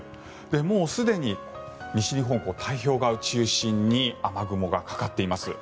もうすでに西日本太平洋側を中心に雨雲がかかっています。